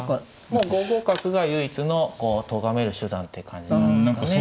もう５五角が唯一のとがめる手段って感じなんですかね。